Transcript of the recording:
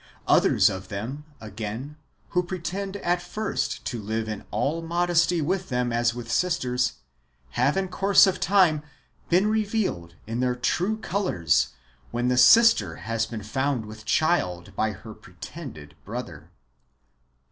Others of them, again, who pretend at first to live in all modesty with them as wdth sisters, have in course of time been revealed in their true colours, when the sister has been found with child by her [pretended] brother.